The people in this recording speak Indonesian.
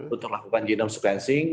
untuk lakukan genome sequencing